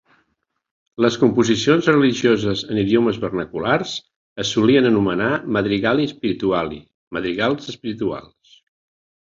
Les composicions religioses en idiomes vernaculars es solien anomenar "madrigali spirituali", "madrigals espirituals".